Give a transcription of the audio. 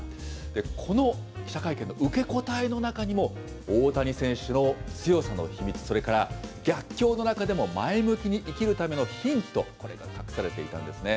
この記者会見の受け答えの中にも、大谷選手の強さの秘密、それから逆境の中でも前向きに生きるためのヒント、これが隠されていたんですね。